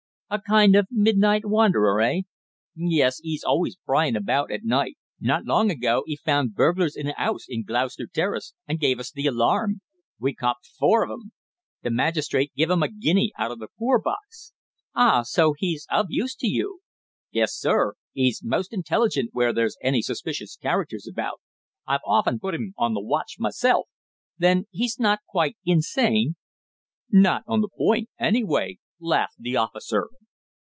"A kind of midnight wanderer, eh?" "Yes, 'e's always a pryin' about at night. Not long ago 'e found burglars in a 'ouse in Gloucester Terrace, and gave us the alarm. We copped four of 'em. The magistrate gave 'im a guinea out o' the poor box." "Ah! so he's of use to you?" "Yes, sir, 'e's most intelligent where there's any suspicious characters about. I've often put 'im on the watch myself." "Then he's not quite insane?" "Not on that point, at any rate," laughed the officer.